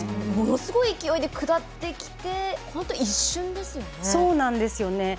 ものすごい勢いで下ってきてそうなんですよね。